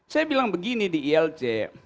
saya bilang begini di ilc